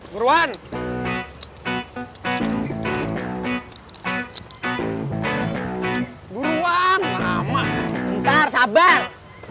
buruan buruan lama ntar sabar